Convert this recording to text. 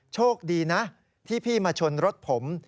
โชคดีนะที่พี่มาชนรถผม